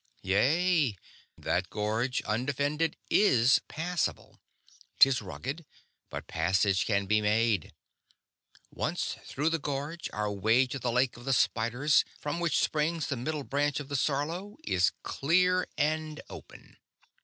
"Yea. That gorge, undefended, is passable. 'Tis rugged, but passage can be made. Once through the gorge our way to the Lake of the Spiders, from which springs the Middle Branch of the Sarlo, is clear and open."